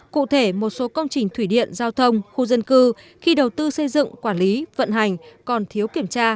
cụ thể một số công trình thủy điện giao thông khu dân cư khi đầu tư xây dựng quản lý vận hành còn thiếu kiểm tra